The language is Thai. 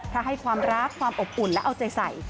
ถ้าให้ความรักความอบอุ่นและเอาใจใส่